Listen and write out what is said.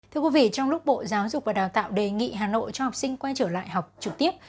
thưa quý vị trong lúc bộ giáo dục và đào tạo đề nghị hà nội cho học sinh quay trở lại học trực tiếp